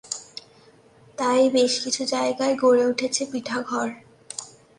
তাই, বেশ কিছু জায়গায় গড়ে উঠেছে পিঠাঘর।